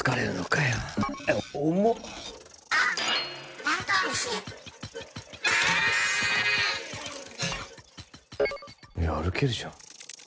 いや、歩けるじゃん。